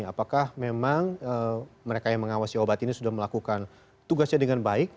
apakah memang mereka yang mengawasi obat ini sudah melakukan tugasnya dengan baik